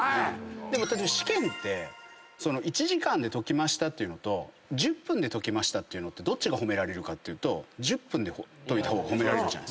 でも試験って１時間で解きましたっていうのと１０分で解きましたっていうのってどっちが褒められるかというと１０分で解いた方が褒められる。